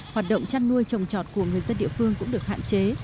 hoạt động chăn nuôi trồng trọt của người dân địa phương cũng được hạn chế